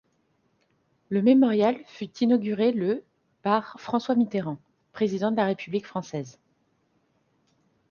Le mémorial fut inauguré le par François Mitterrand, président de la République française.